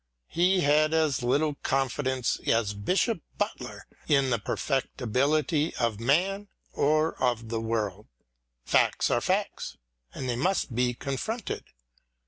He had as little confidence aS Bishop Butler in the perfectibility either of man or of the world. Facts are facts, and they must be confronted.